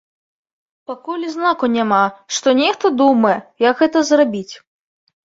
Пакуль і знаку няма, што нехта думае, як гэта зрабіць.